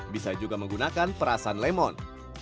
bisa juga menggunakan perasan lemon